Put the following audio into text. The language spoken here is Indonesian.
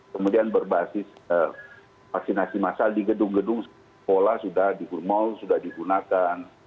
kemudian berbasis vaksinasi masal di gedung gedung sekolah sudah di kurmal sudah digunakan